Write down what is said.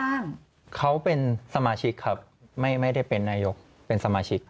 อ้างเขาเป็นสมาชิกครับไม่ไม่ได้เป็นนายกเป็นสมาชิก